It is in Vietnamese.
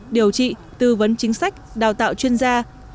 điều trị tư vấn chính sách đào tạo chuyên gia